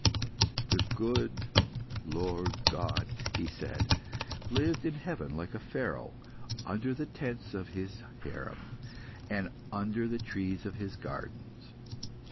"The good Lord God," he said, "lived in heaven like a Pharaoh, under the tents of His harem, and under the trees of His gardens.